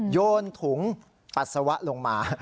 โยนถุงปัสสาวะลงมา